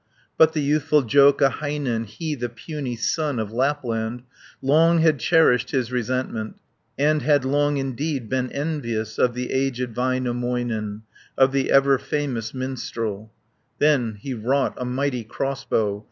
But the youthful Joukahainen, He, the puny son of Lapland, Long had cherished his resentment, And had long indeed been envious Of the aged Väinämöinen, Of the ever famous minstrel Then he wrought a mighty crossbow.